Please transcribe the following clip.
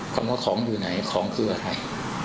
คำว่าของอยู่ไหนของคืออะไร